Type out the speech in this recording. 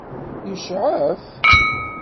Yecɛef?